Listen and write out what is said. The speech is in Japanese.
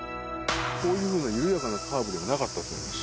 こういうふうな緩やかなカーブではなかったと思います。